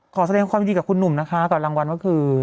ขอแสดงความดีกับคุณหนุ่มนะคะตอนรางวัลเมื่อคืน